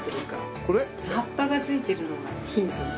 葉っぱが付いてるのがヒントになる。